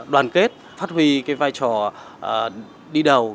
đoàn kết phát huy vai trò đi đầu